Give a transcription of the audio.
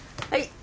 はい。